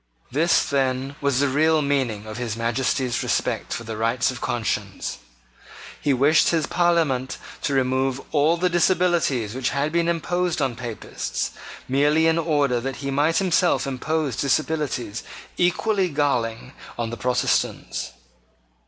This, then, was the real meaning of his Majesty's respect for the rights of conscience. He wished his Parliament to remove all the disabilities which had been imposed on Papists, merely in order that he might himself impose disabilities equally galling on Protestants.